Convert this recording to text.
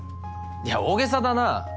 いや大げさだな。